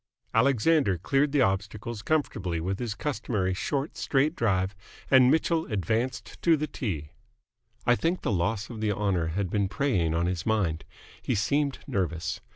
Alexander cleared the obstacles comfortably with his customary short, straight drive, and Mitchell advanced to the tee. I think the loss of the honour had been preying on his mind. He seemed nervous.